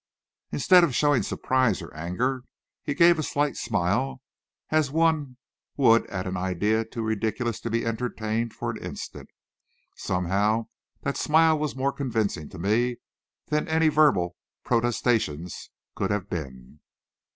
Instead of showing surprise or anger, he gave a slight smile, as one would at an idea too ridiculous to be entertained for an instant. Somehow, that smile was more convincing to me than any verbal protestation could have been.